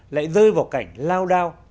lại rơi vào cảnh lao đao